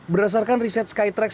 berdasarkan riset skytrak